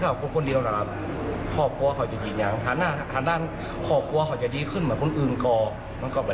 หัวครัวเขาจะจีดยังด้านหน้าเราจะเห็นเขาครับ